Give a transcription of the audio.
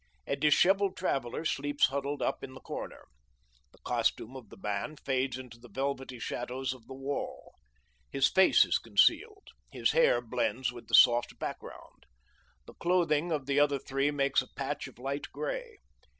A dishevelled traveller sleeps huddled up in the corner. The costume of the man fades into the velvety shadows of the wall. His face is concealed. His hair blends with the soft background. The clothing of the other three makes a patch of light gray.